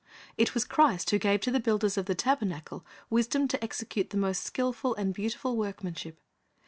It was Christ who gave to the builders of the tabernacle wisdom to execute the most skilful and beautiful work manship.